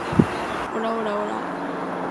オラオラオラァ